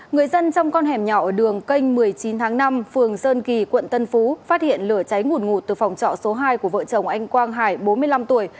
người dân trong con hẻm nhỏ ở đường kênh một mươi chín tháng năm phường sơn kỳ quận tân phú phát hiện lửa cháy nguồn ngụt từ phòng trọ số hai của vợ chồng anh quang hải bốn mươi năm tuổi